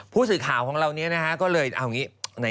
ผู้สื่อข่าวของเรานี้นะฮะก็เลยเอาอย่างนี้